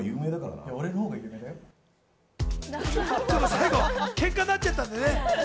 最後、ケンカになっちゃったんでね。